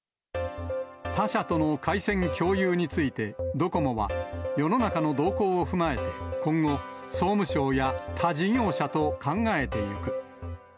他社との回線共有について、ドコモは、世の中の動向を踏まえて、今後、総務省や他事業者と考えていく。